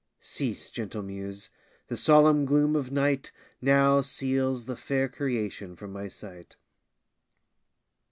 Cease, gentle muse! the solemn gloom of night Now seals the fair creation from my sight.